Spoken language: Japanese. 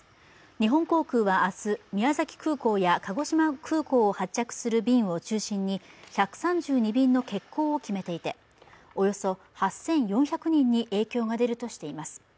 日本航空は明日、宮崎空港や鹿児島空港を発着する便を中心に１３２便の欠航を決めていて、およそ８４００人に影響が出るとしています。